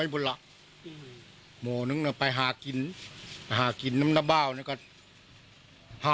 เจ็ดมือบ่าเจ็ดมือก็มาแบบบ้านกวกกอกเลยละ